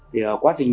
thì ở quá trình